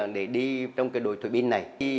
để đi trong cái đồi thủy binh này